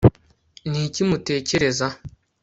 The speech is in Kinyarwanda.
niki mutekereza